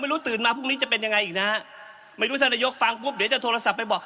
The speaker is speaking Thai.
ตื่นมาพรุ่งนี้จะเป็นยังไงอีกนะฮะไม่รู้ท่านนายกฟังปุ๊บเดี๋ยวจะโทรศัพท์ไปบอก